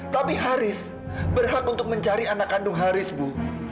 tapi haris berhak untuk mencari anak kandung haris bu